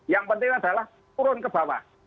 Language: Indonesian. yang penting adalah turun ke bawah